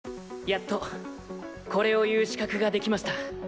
やっとこれを言う資格ができました。